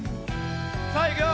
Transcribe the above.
さあいくよ。